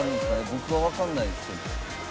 僕はわかんないですけど。